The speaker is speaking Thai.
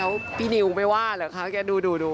แล้วพี่นิวไม่ว่าเหรอคะแกดู